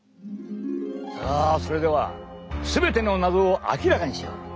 さあそれでは全ての謎を明らかにしよう。